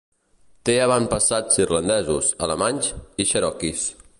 Té avantpassats irlandesos, alemanys i cherokees.